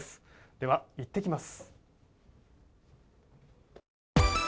では、いってきます。